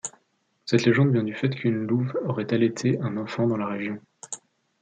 Cette légende vient du fait qu'une louve aurait allaité un enfant dans la région.